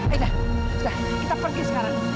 aida kita pergi sekarang